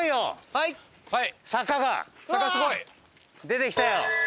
坂すごい？出てきたよ。